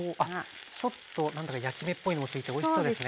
ちょっと何だか焼き目っぽいのもついておいしそうですね。